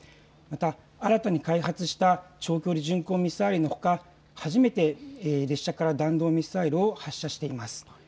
また新たに開発した長距離巡航ミサイルのほか、初めて列車から弾道ミサイルを発射しています。